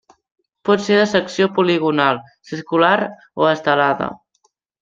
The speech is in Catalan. Pot ser de secció poligonal circular o estelada.